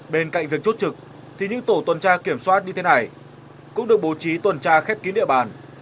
bên cạnh việc chốt trực thì những tổ tuần tra kiểm soát như thế này cũng được bố trí tuần tra khép kín địa bàn